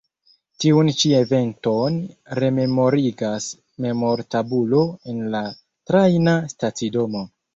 Tiun ĉi eventon rememorigas memortabulo en la trajna stacidomo.